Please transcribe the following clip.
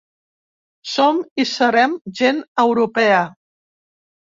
Som i serem gent europea!